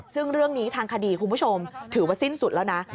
ซึ่งเรื่องนี้ทางคดีคุณผู้ชมถือว่าสิ้นสุดแล้วนะ